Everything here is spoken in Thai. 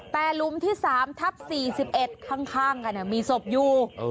แต่หลุมที่๓ทับ๔๑ข้างกันมีศพอยู่